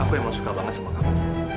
aku emang suka banget sama kamu